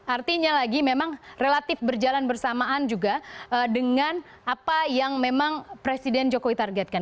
artinya lagi memang relatif berjalan bersamaan juga dengan apa yang memang presiden jokowi targetkan